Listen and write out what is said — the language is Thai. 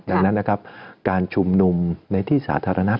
ดังนั้นนะครับการชุมนุมในที่สาธารณะเป็นเรื่องปกติ